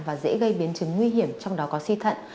và dễ gây biến chứng nguy hiểm trong đó có suy thận